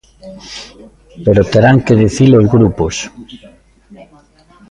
Pero terán que dicilo os grupos.